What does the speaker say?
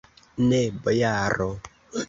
Ne, bojaro!